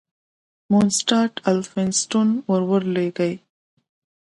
مونسټارټ الفینستون ور ولېږی.